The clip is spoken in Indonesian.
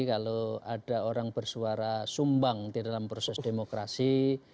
kalau ada orang bersuara sumbang di dalam proses demokrasi